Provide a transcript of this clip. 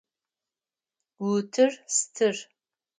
Утыр стыр.